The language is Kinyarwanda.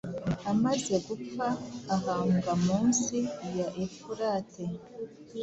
Amaze gupfaahambwa munsi ya Efurate